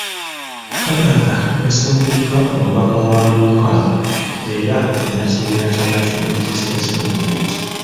Kadaga yasembeddwa omubaka wa Luuka era munnakibiina kya National Resistance Movement.